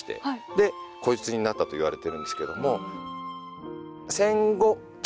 でこいつになったといわれてるんですけども。